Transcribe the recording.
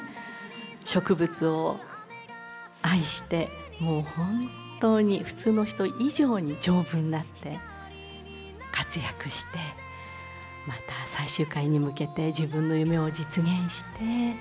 植物を愛してもう本当に普通の人以上に丈夫になって活躍してまた最終回に向けて自分の夢を実現して世界に向けていくんでしょうね。